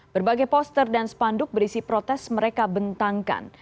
berbagai poster dan spanduk berisi protes mereka bentangkan